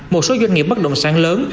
một số doanh nghiệp bất động sản lớn